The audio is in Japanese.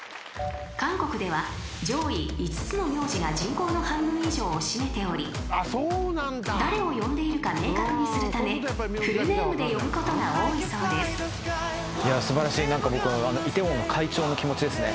［韓国では上位５つの名字が人口の半分以上を占めており誰を呼んでいるか明確にするためフルネームで呼ぶことが多いそうです］